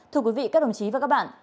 thưa quý vị các đồng chí và các bạn